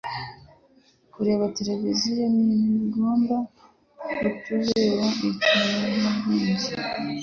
kureba televisiyo ntibigomba kutubera ikiyobyabwenge